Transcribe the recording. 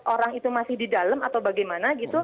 orang itu masih di dalam atau bagaimana gitu